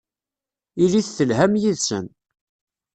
Ilit telham yid-sen.